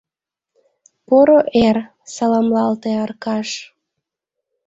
— Поро эр! — саламлалте Аркаш.